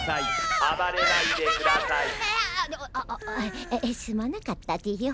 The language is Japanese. あすまなかったぜよ。